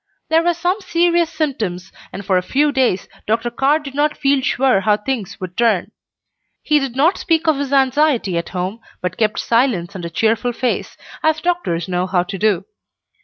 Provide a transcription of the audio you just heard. There were some serious symptoms, and for a few days Dr. Carr did not feel sure how things would turn. He did not speak of his anxiety at home, but kept silence and a cheerful face, as doctors know how to do.